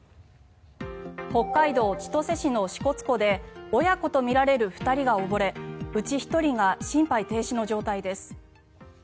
北海道千歳市の支笏湖で親子とみられる２人が溺れうち１人が心肺停止の状態です。